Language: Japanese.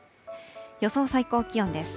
予想最高気温です。